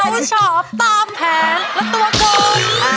พ่มโผออกมาจากฉาก